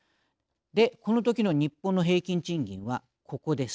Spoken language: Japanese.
でこのときの日本の平均賃金はここです。